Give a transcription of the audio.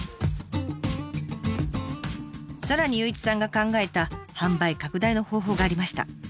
さらに祐一さんが考えた販売拡大の方法がありました。